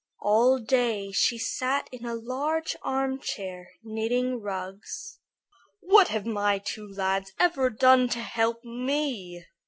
All day she sat in a large armchair knitting rugs. "What have my two lads ever done to help me?"